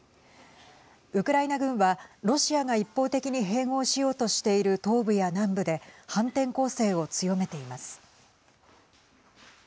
ウクライナ軍は、ロシアが一方的に併合しようとしている東部や南部で反転攻勢を強めています。